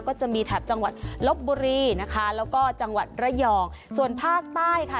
ก็จะมีแถบจังหวัดลบบุรีนะคะแล้วก็จังหวัดระยองส่วนภาคใต้ค่ะ